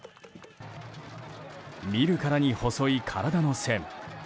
見るからに細い体の線。